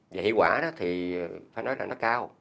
về hiệu quả thì phải nói là nó cao